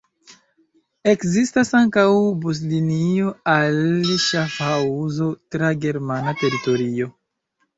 Ekzistas ankaŭ buslinio al Ŝafhaŭzo tra germana teritorio.